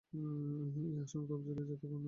এই আসনটি তফসিলি জাতি প্রার্থীদের জন্য সংরক্ষিত।